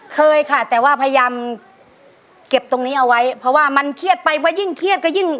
เคยค่ะแต่ว่าพยายามเก็บตรงนี้เอาไว้เพราะว่ามันเครียดไปว่ายิ่งเครียดก็ยิ่ง